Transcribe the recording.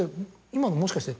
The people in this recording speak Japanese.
今のもしかして。